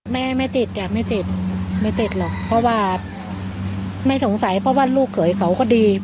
ไม่ไม่ติดอ่ะไม่ติดไม่ติดหรอกเพราะว่าไม่สงสัยเพราะว่าลูกเขยเขาก็ดี